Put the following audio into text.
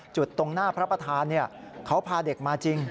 ตรงหน้าพระประธานเขาพาเด็กมาจริง